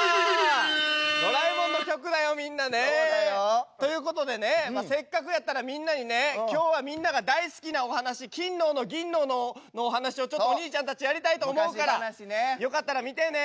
そうだよ。ということでねせっかくやったらみんなにね今日はみんなが大好きなお話「金の斧銀の斧」のお話をちょっとおにいちゃんたちやりたいと思うからよかったら見てね。